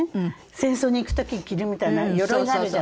戦争に行く時着るみたいな鎧があるじゃない？